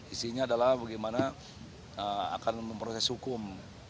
isinya adalah bagaimana akan memproses hukum